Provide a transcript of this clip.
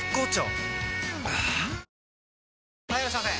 はぁ・はいいらっしゃいませ！